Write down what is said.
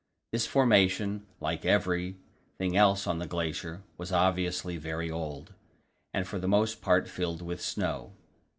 This formation like every thing else on the glacier was obviously very old, and for the most part filled with snow.